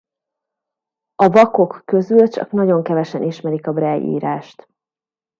A vakok közül csak nagyon kevesen ismerik a Braille-írást.